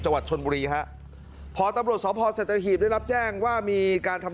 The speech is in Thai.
จังหวัดชนบุรีฮะพอตำรวจสพสัตหีบได้รับแจ้งว่ามีการทำ